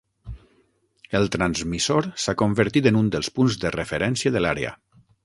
El transmissor s'ha convertit en un dels punts de referència de l'àrea.